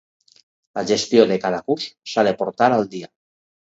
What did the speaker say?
La gestió de cada curs s'ha de portar al dia.